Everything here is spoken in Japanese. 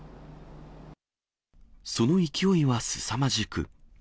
その勢いはすさまじく。